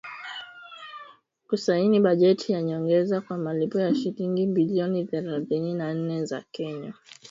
kusaini bajeti ya nyongeza kwa malipo ya shilingi bilioni thelathini na nne za Kenya